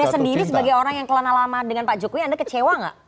tapi sendiri sebagai orang yang kelana lama dengan pak jokowi anda kecewa nggak